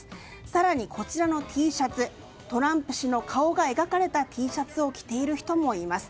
更に、こちらのＴシャツトランプ氏の顔が描かれたＴシャツを着ている人もいます。